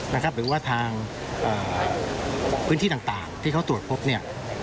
นะครับหรือว่าทางเอ่อพื้นที่ต่างต่างที่เขาตรวจพบเนี่ย